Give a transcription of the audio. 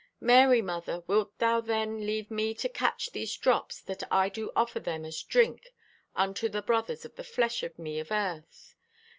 Mary, mother, wilt thou then leave me catch These drops, that I do offer them as drink Unto the brothers of the flesh of me of earth?